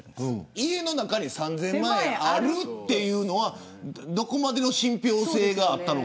家の中に３０００万円あるというのはどこまでの信ぴょう性があったのか。